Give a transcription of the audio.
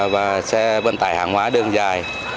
và xe vận tải hàng hóa đường dài